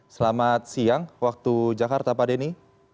selamat siang waktu jakarta pak denny